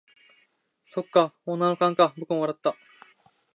「そっか、女の勘か」僕も笑った。